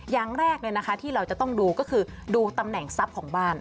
อย่างแรกที่เราจะต้องดูก็คือดูตำแหน่งทรัพย์ของบ้าน